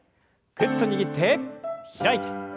ぐっと握って開いて。